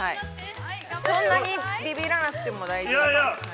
◆そんなにびびらなくても、大丈夫です。